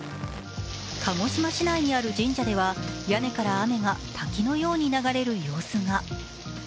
鹿児島市内にある神社では屋根から雨が滝のように流れる様子が。